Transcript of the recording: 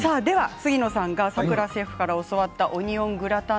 杉野さんからさくらシェフに教わったオニオングラタン